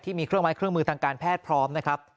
ที่มีเครื่องไม้เครื่องมือทางการแพทย์พร้อม